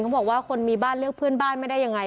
บอกว่าคนมีบ้านเลือกเพื่อนบ้านไม่ได้ยังไง